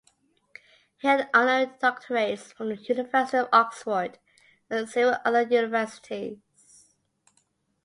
He held honorary doctorates from the University of Oxford and several other universities.